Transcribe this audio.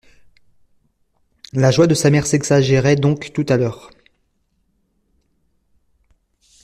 La joie de sa mère s'exagérait donc tout à l'heure.